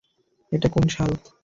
এটা কোন সাল?